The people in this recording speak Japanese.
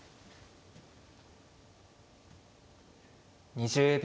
２０秒。